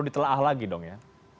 ditelaah lagi dong ya